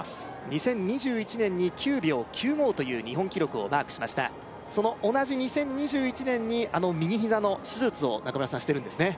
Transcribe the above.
２０２１年に９秒９５という日本記録をマークしましたその同じ２０２１年にあの右ひざの手術を中村さんしてるんですね